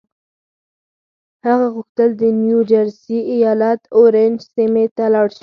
هغه غوښتل د نيو جرسي ايالت اورنج سيمې ته لاړ شي.